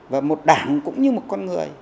và một đảng cũng như một con người